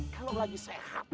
kalau lagi sehat